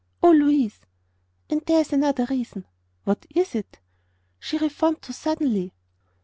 "Oh, Louise!" "And there's another reason." "What is it?" "She reformed too suddenly."